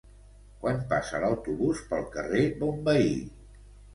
Quan passa l'autobús pel carrer Bonveí?